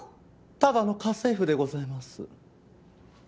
ただの家政夫でございます。